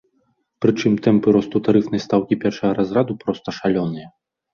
Прычым тэмпы росту тарыфнай стаўкі першага разраду проста шалёныя.